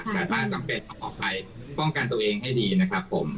แต่บ้านจำเป็นออกไปป้องกันตัวเองให้ดีนะครับผม